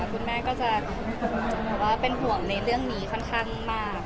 คุณแม่ก็จะก็จะบอกว่าเป็นห่วงของเรียนด้วยเรื่องนี้ขนาดมากค่ะ